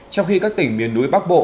trong khi các tỉnh miền núi bắc bộ